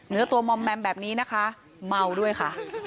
เนื้อตัวแบบนี้นะคะเมาด้วยค่ะ